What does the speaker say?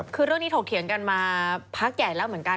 คือเรื่องนี้ถกเถียงกันมาพักใหญ่แล้วเหมือนกัน